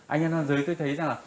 anh em nam giới tôi thấy rằng là